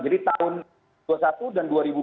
jadi tahun dua puluh satu dan dua ribu dua puluh